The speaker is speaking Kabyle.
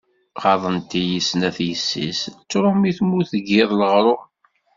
Ɣaḍent-iyi snat yessi-s, d trumit mu d-giḍ leɣrur.